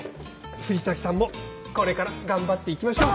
藤崎さんもこれから頑張っていきましょう。